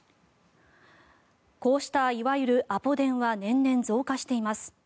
こうした、いわゆるアポ電は年々増加しています。